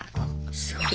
すごい。